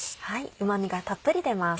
うま味がたっぷり出ます。